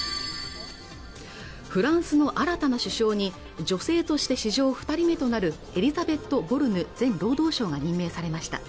フランスの新たな首相に女性として史上二人目となるエリザベット・ボルヌ前労働相が任命されました